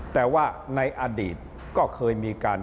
แต่ว่าในอดีตก็เคยมีการ